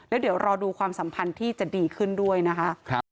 แล้วเดี๋ยวรอดูความสัมพันธ์ที่จะดีขึ้นด้วยนะคะ